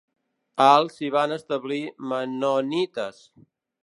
Al s'hi van establir mennonites.